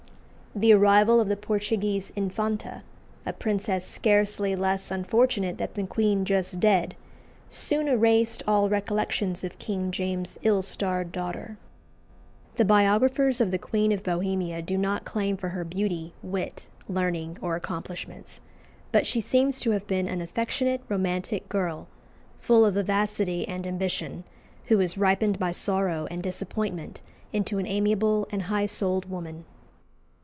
The arrival of the Portuguese Infanta, a princess scarcely less unfortunate than the queen just dead, soon erased all recollections of King James's ill starred daughter. The biographers of the Queen of Bohemia do not claim for her beauty, wit, learning, or accomplishments; but she seems to have been an affectionate, romantic girl, full of vivacity and ambition, who was ripened by sorrow and disappointment into an amiable and high souled woman.